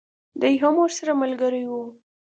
دی هم ورسره ملګری وو.